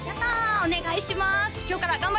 お願いします